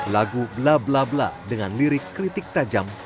lagu blah blah blah dengan lirik kritik tajam